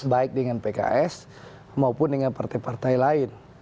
baik dengan pks maupun dengan partai partai lain